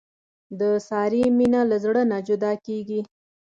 د سارې مینه له زړه نه جدا کېږي.